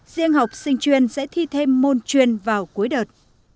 riêng học sinh chuyên sẽ thi thêm môn chuyên vào cuối đợt